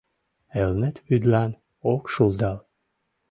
Элнет вӱдлан ок шулдал.